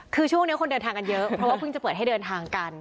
คือช่วงนี้คนเดินทางกันเยอะเพราะว่าเพิ่งจะเปิดให้เดินทางกัน